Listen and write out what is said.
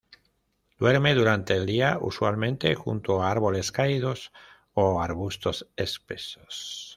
Duerme durante el día, usualmente junto a árboles caídos o arbustos espesos.